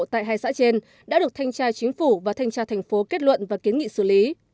tại hai xã trên đã được thanh tra chính phủ và thanh tra thành phố kết luận và kiến nghị xử lý